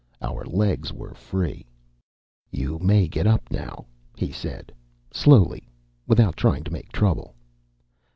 Our legs were free. "You may get up now," he said. "Slowly, without trying to make trouble."